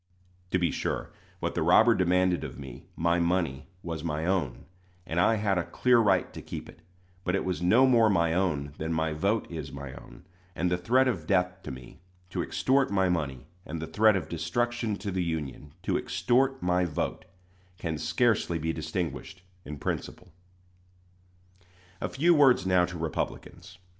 To be sure, what the robber demanded of me my money was my own; and I had a clear right to keep it; but it was no more my own than my vote is my own; and the threat of death to me, to extort my money, and the threat of destruction to the Union, to extort my vote, can scarcely be distinguished in principle. A few words now to Republicans.